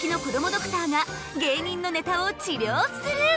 ドクターが芸人のネタを治りょうする。